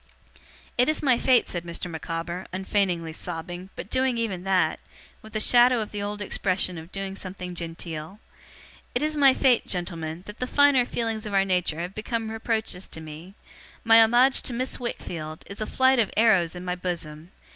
'It is my fate,' said Mr. Micawber, unfeignedly sobbing, but doing even that, with a shadow of the old expression of doing something genteel; 'it is my fate, gentlemen, that the finer feelings of our nature have become reproaches to me. My homage to Miss Wickfield, is a flight of arrows in my bosom.